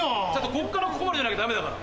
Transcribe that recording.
こっからここまでじゃなきゃダメだから。